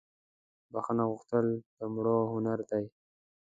بخښنه غوښتل دمړو هنردي